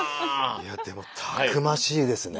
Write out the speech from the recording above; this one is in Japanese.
いやでもたくましいですね。